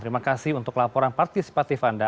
terima kasih untuk laporan partisipatif anda